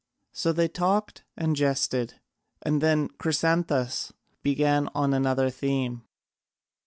So they talked and jested. And then Chrysantas began on another theme.